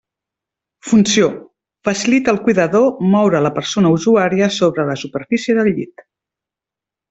Funció: facilita al cuidador moure la persona usuària sobre la superfície del llit.